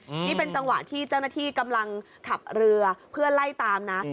นี่เป็นจังหวะที่เจ้าหน้าที่กำลังขับเรือเพื่อไล่ตามนะ